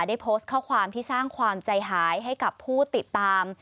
ได้โพสต์ข้อความที่สร้างความใจหายให้กับผู้ติดตาม